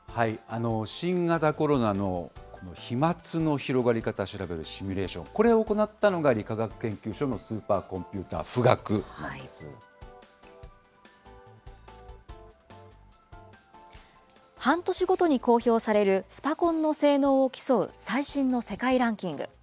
新型コロナの飛まつの広がり方調べるシミュレーション、これを行ったのが理化学研究所のスーパーコンピューター、富岳な半年ごとに公表されるスパコンの性能を競う最新の世界ランキング。